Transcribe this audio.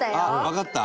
「わかった？」